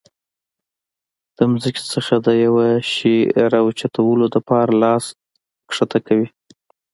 د زمکې نه د يو څيز را اوچتولو د پاره لاس ښکته کوي